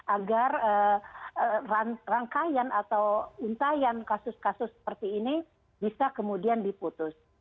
agar rangkaian atau untayan kasus kasus seperti ini bisa kemudian diputus